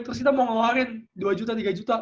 terus kita mau ngeluarin dua juta tiga juta